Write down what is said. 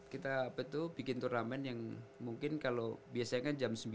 kita apa tuh bikin turnamen yang mungkin kalau biasanya kan jam sembilan